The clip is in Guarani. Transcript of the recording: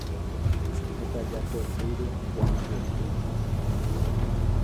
Mbokaja poty ryakuã asyetéva